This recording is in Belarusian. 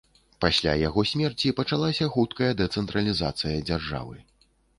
Пасля яго смерці пачалася хуткая дэцэнтралізацыя дзяржавы.